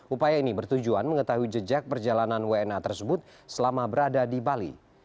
upaya ini bertujuan mengetahui jejak perjalanan wna tersebut selama berada di bali